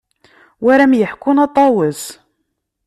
Wi ara am-yeḥkun a Ṭawes.